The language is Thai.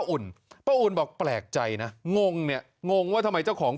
ป้าอุ่นยังบอกอีกว่าแม้ว่าตอนนี้เนี่ยตัวที่สี่จะโดนจับไปล่ะแต่ป้าเชื่อว่ามันไม่ได้จบแค่ตัวที่สี่